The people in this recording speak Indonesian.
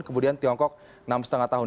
kemudian tiongkok enam lima tahun